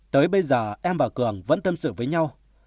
tới bây giờ em và cường vẫn tâm sự với nhau